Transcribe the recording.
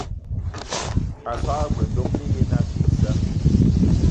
A so g-beu ndomni ye na ake issa.